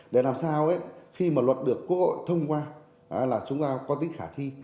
để làm sao khi mà luật được cố gọi thông qua là chúng ta có tính khả thi